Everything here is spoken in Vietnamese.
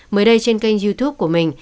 mới đây trên kênh youtube của mình